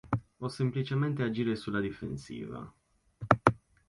O semplicemente agire sulla difensiva?